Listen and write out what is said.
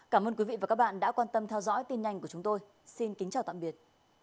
cảm ơn quý vị và các bạn đã quan tâm theo dõi tin nhanh của chúng tôi xin kính chào tạm biệt